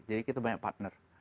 jadi kita banyak partner